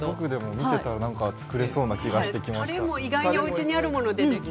見ていたら作れそうな気がしました。